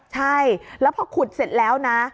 ใช่แล้วพอขุดเสร็จแล้วนะ